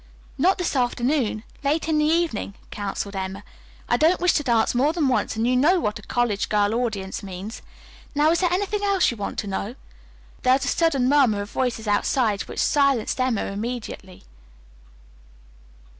"Not this afternoon. Late in the evening," counseled Emma. "I don't wish to dance more than once, and you know what a college girl audience means. Now, is there anything else you want to know?" There was a sudden murmur of voices outside which silenced Emma immediately.